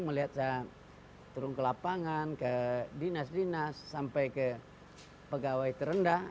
melihat saya turun ke lapangan ke dinas dinas sampai ke pegawai terendah